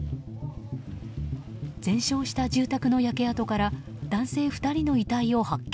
全焼した住宅の焼け跡から男性２人の遺体を発見。